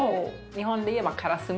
日本でいえばカラスミ。